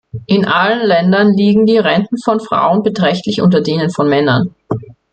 In allen Ländern liegen die Renten von Frauen beträchtlich unter denen der Männer.